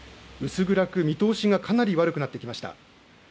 薄暗く、見通しがかなり悪くなってきました。